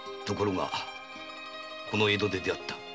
ところがこの江戸で出会った。